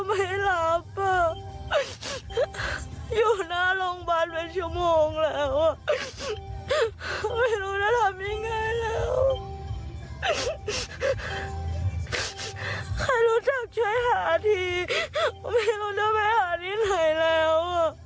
ไม่รู้จักช่วยหาทีไม่รู้จะไปหาที่ไหนแล้ว